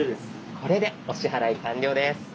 これでお支払い完了です。